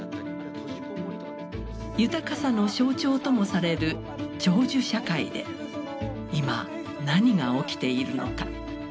豊かさの象徴ともされる長寿社会で今何が起きているのか。